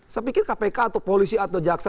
saya pikir kpk atau polisi atau jaksa